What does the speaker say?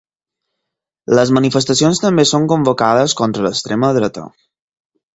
Les manifestacions també són convocades contra l’extrema dreta.